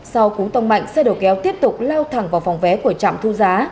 sau cú tông mạnh xe đầu kéo tiếp tục lao thẳng vào phòng vé của trạm thu giá